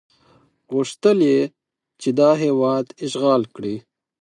غوښتل یې چې دا هېواد اشغال کړي.